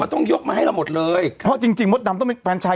ต้องยกมาให้เราหมดเลยเพราะจริงจริงมดดำต้องเป็นแฟนชาย